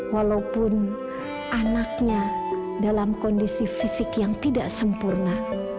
walaupun anaknya dalam kondisi fisik yang tidak sempurna